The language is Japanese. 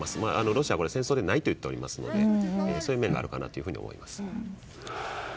ロシアは、これは戦争ではないと言っておりますのでそういう面があるかなと思います。